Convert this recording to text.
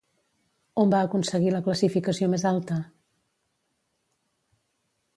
On va aconseguir la classificació més alta?